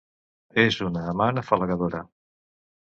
És una amant afalagadora.